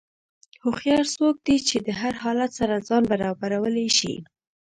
هوښیار څوک دی چې د هر حالت سره ځان برابرولی شي.